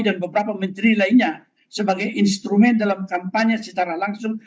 dan beberapa menteri lainnya sebagai instrumen dalam kampanye secara langsung